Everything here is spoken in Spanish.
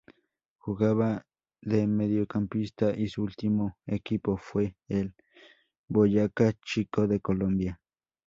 Jugaba de mediocampista y su ultimo equipo fue el Boyacá Chicó de Colombia.